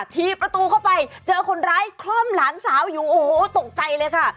ทีประตูเข้าไปเจอคนร้ายคล่อมหลานสาวอยู่โอ้โหตกใจเลยค่ะ